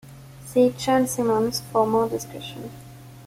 See Chern-Simons for more discussion.